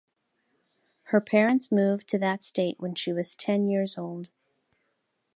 Her parents moved to that state when she was ten years old.